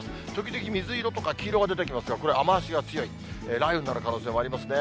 時々水色とか黄色が出てきますが、これ、雨足が強い、雷雨になる可能性がありますね。